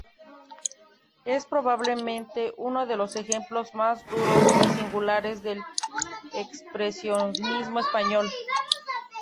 Es probablemente uno de los ejemplos más duros y singulares del expresionismo español.